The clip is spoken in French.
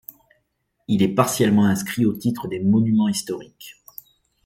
Il est partiellement inscrit au titre des monuments historiques.